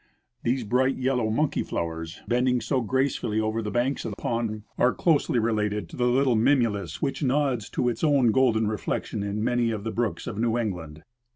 These brilliant yelloAV monkey flowers, bending so grace fully over the banks of the pond, are closely related to the little Luxuricmce of the Arctic Vegetation. 115 Mimulus which nods to its own golden reflection in many of the brooks of New England.